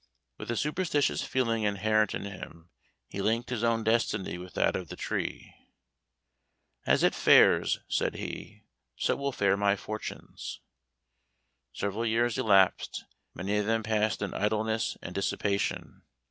With a superstitious feeling inherent in him, he linked his own destiny with that of the tree. "As it fares," said he, "so will fare my fortunes." Several years elapsed, many of them passed in idleness and dissipation.